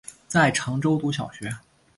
在常州读小学。